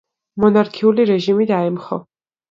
მონარქიული რეჟიმი დაემხო.